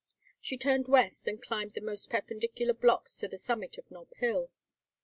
She turned west and climbed the almost perpendicular blocks to the summit of Nob Hill.